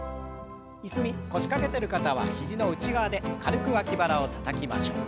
椅子に腰掛けてる方は肘の内側で軽く脇腹をたたきましょう。